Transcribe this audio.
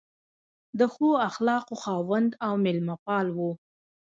د ښو اخلاقو خاوند او مېلمه پال و.